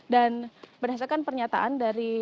dan berdasarkan pernyataan dari